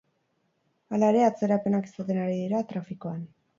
Hala ere, atzerapenak izaten ari dira trafikoan.